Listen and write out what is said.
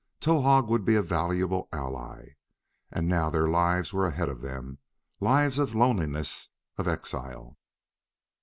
Towahg would be a valuable ally. And now their lives were ahead of them lives of loneliness, of exile.